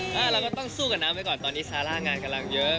เราก็ต้องสู้กับน้ำไว้ก่อนตอนนี้ซาร่างานกำลังเยอะ